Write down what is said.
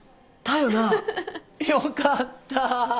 よかった！